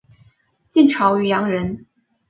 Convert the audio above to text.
晋朝渔阳人。